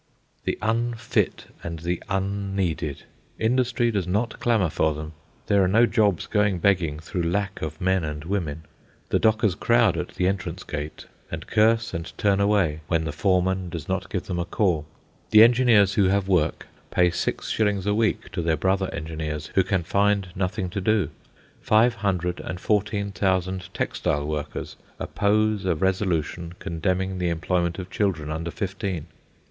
The unfit and the unneeded! Industry does not clamour for them. There are no jobs going begging through lack of men and women. The dockers crowd at the entrance gate, and curse and turn away when the foreman does not give them a call. The engineers who have work pay six shillings a week to their brother engineers who can find nothing to do; 514,000 textile workers oppose a resolution condemning the employment of children under fifteen.